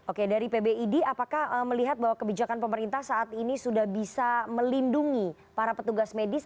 oke dari pbid apakah melihat bahwa kebijakan pemerintah saat ini sudah bisa melindungi para petugas medis